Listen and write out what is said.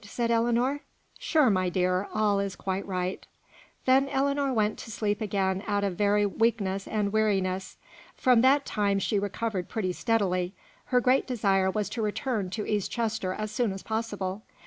said Ellinor. "Sure, my dear. All is quite right." Then Ellinor went to sleep again out of very weakness and weariness. From that time she recovered pretty steadily. Her great desire was to return to East Chester as soon as possible.